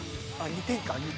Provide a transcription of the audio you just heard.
２点か。